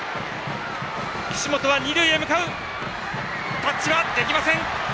岸本は二塁へタッチはできません。